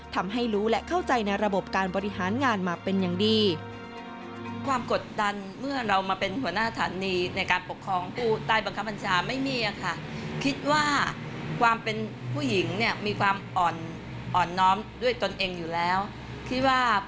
ทำให้รู้และเข้าใจในระบบการบริหารงานมาเป็นอย่างดี